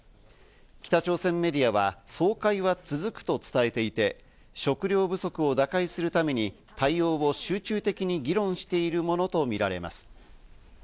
北朝鮮メディアは総会は続くと伝えていて、食糧不足を打開するために対応を集中的に議論しているものとみられます。